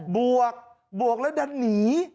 บวกบวกแล้วดันหนี